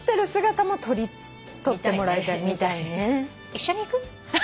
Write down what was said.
一緒に行く？